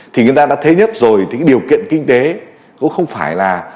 thì người ta đã thế chấp rồi thì cái điều kiện kinh tế cũng không phải là